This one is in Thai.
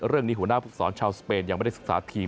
เรื่องนี้หัวหน้าฝุกศรชาวสเปนยังไม่ได้ศึกษาทีม